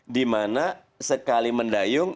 di mana sekali mendayung